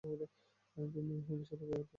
তিনি হুইলচেয়ার ব্যবহার করতেন।